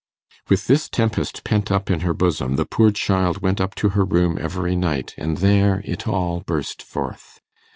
With this tempest pent up in her bosom, the poor child went up to her room every night, and there it all burst forth.